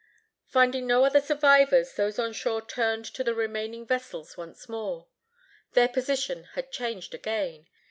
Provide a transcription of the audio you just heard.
Finding no other survivors, those on shore turned to the remaining vessels once more. Their position had changed again.